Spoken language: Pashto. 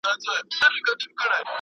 کله به ریشتیا سي، وايي بله ورځ `